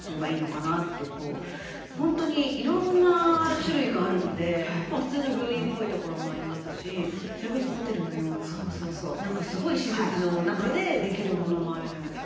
本当にいろんな種類があるので普通の病院っぽいところもありますしそれこそホテルのような何かすごい施設の中でできるものもあるじゃないですか。